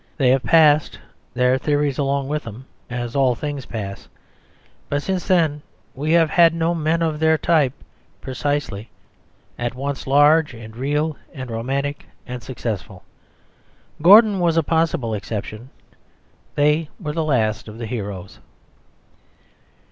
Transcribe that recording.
They have passed, their theories along with them, as all things pass; but since then we have had no men of their type precisely, at once large and real and romantic and successful. Gordon was a possible exception. They were the last of the heroes.